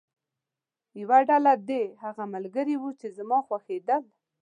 یوه ډله دې هغه ملګري وو چې زما خوښېدل.